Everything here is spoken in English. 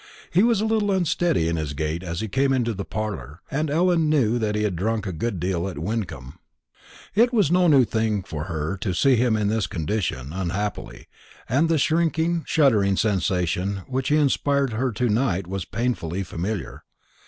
He was a little unsteady in his gait as he came into the parlour, and Ellen knew that he had drunk a good deal at Wyncomb. It was no new thing for her to see him in this condition unhappily, and the shrinking shuddering sensation with which he inspired her to night was painfully familiar.